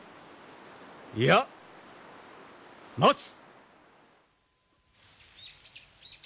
いや待つ！